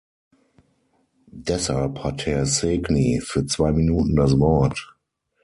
Deshalb hat Herr Segni für zwei Minuten das Wort.